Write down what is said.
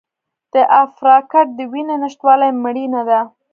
د انفارکټ د وینې نشتوالي مړینه ده.